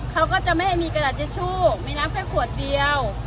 เขาก็จะไม่ให้มีกระดาษทิชชู่มีน้ำแค่ขวดเดียว